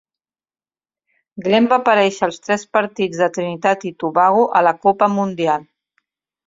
Glen va aparèixer als tres partits de Trinitat i Tobago a la Copa Mundial.